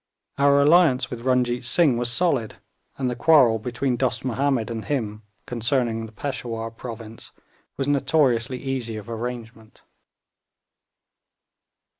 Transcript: Our alliance with Runjeet Singh was solid, and the quarrel between Dost Mahomed and him concerning the Peshawur province was notoriously easy of arrangement.